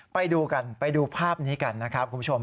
ไปดูกันไปดูภาพนี้กันนะครับคุณผู้ชม